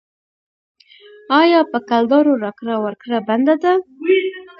آیا په کلدارو راکړه ورکړه بنده ده؟